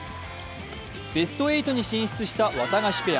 ベスト８に進出したワタガシペア。